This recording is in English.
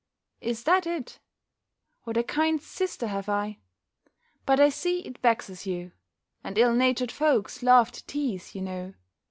"Is that it? What a kind sister have I! But I see it vexes you; and ill natured folks love to teaze, you know.